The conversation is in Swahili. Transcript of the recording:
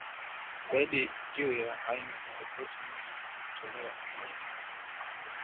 zaidi juu ya aina za Ripoti mpya iliyotolewa leo na